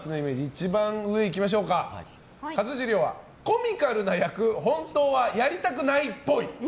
一番上、勝地涼はコミカルな役本当はやりたくないっぽい。